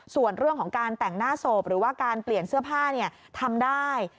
ส่วนเรื่องของการแต่งหน้าศพหรือว่าการเปลี่ยนเสื้อผ้าทำได้